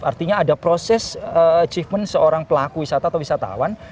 artinya ada proses achievement seorang pelaku wisata atau wisatawan